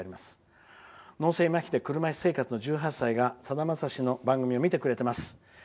脳性まひで車いす生活の１８歳がさだまさしの番組を見てくれています。